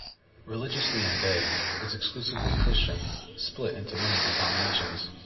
Religiously Ambae is exclusively Christian, split into many denominations.